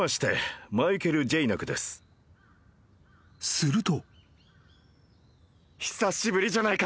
［すると］